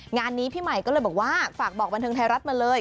งานนี้พี่ใหม่ก็เลยบอกว่าฝากบอกบันเทิงไทยรัฐมาเลย